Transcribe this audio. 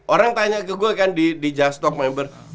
orang tanya ke gue kan di just talk member